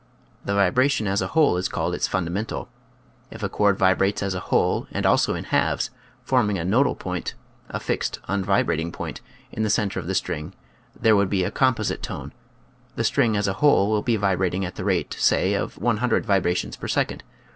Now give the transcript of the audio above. The vibration as a whole is called its fundamental. If a cord vibrates as a whole and also in halves, forming a nodal point (a fixed, unvibrating point) in the center of the string, there would be a composite tone; the string as a whole will be vibrating at the rate, say, of 100 vibrations per second.